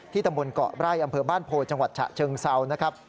ตำบลเกาะไร่อำเภอบ้านโพจังหวัดฉะเชิงเซานะครับ